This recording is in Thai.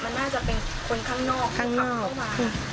มันน่าจะเป็นคนข้างนอกถ้าขับเข้ามา